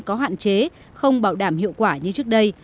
có hạn chế không bảo đảm hiệu quả như trước đây